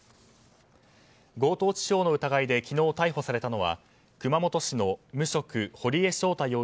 強盗致傷の疑いで、昨日逮捕されたのは熊本市の無職堀江翔太